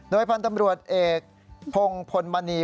น้อยพันธ์ตำรวจเอกพงศ์พลมณี